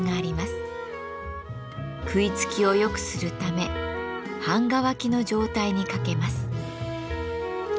食いつきをよくするため半乾きの状態にかけます。